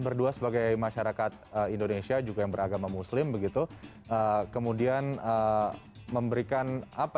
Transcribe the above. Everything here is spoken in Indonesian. berdua sebagai masyarakat indonesia juga yang beragama muslim begitu kemudian memberikan apa